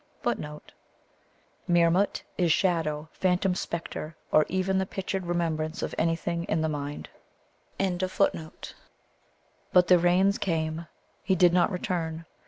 "Meermut" is shadow, phantom, spectre, or even the pictured remembrance of anything in the mind. But the rains came; he did not return.